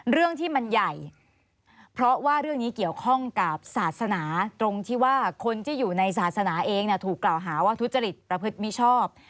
เรื่องที่มันใหญ่เพราะว่าเรื่องนี้เกี่ยวข้องกับศาสนาตรงที่ว่าคนที่อยู่ในศาสนาเองถูกกล่าวหาว่าทุจริตประพฤติมิชอบ